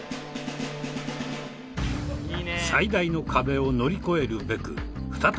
最大の壁を乗り越えるべく再び集結。